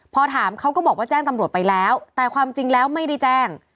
พอถามเขาก็บอกว่าแจ้งตำรวจไปแล้วแต่ความจริงแล้วไม่ได้แจ้ง